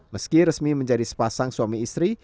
meski resmi menjadi sepasang suami istri